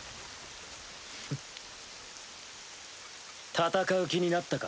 戦う気になったか？